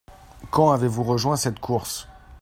Quand avez-vous rejoint cette course ?